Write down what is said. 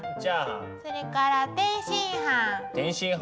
それから天津飯。